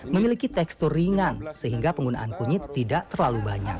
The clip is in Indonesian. memiliki tekstur ringan sehingga penggunaan kunyit tidak terlalu banyak